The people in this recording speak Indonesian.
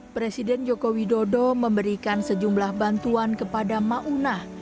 presiden joko widodo memberikan sejumlah bantuan kepada maunah